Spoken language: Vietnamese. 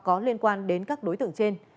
có liên quan đến các đối tượng trên